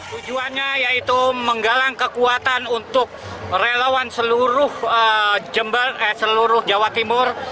tujuannya yaitu menggalang kekuatan untuk relawan seluruh jawa timur